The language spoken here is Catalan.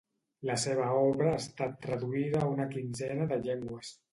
La seva obra ha estat traduïda a una quinzena de llengües.